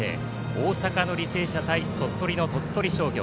大阪の履正社対鳥取の鳥取商業。